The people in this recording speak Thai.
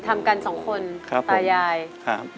ทำกันสองคนครับตายายครับ